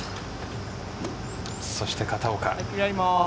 そして片岡。